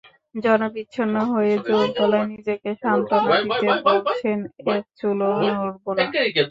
জনবিচ্ছিন্ন হয়ে জোর গলায় নিজেকে সান্ত্বনা দিতে বলছেন, একচুলও নড়ব না।